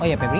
oh iya pebri